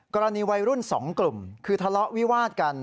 กรณีวัยรุ่น๒กลุ่มคือทะเลาะวิวาดกัน